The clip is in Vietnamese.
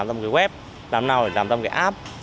làm ra một cái web làm nào để làm ra một cái app